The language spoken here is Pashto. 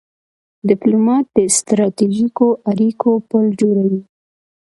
ډيپلومات د ستراتیژیکو اړیکو پل جوړوي.